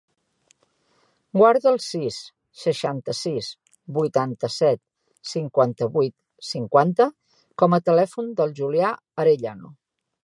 Guarda el sis, seixanta-sis, vuitanta-set, cinquanta-vuit, cinquanta com a telèfon del Julià Arellano.